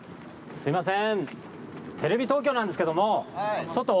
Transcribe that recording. すみません